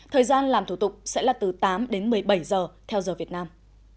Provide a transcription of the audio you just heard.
thời gian làm thủ tục sẽ là từ tám đến một mươi bảy giờ theo giờ việt nam